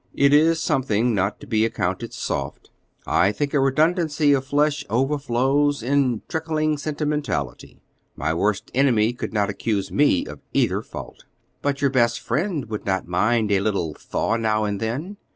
"It is something not to be accounted soft. I think a redundancy of flesh overflows in trickling sentimentality. My worst enemy could not accuse me of either fault." "But your best friend would not mind a little thaw now and then.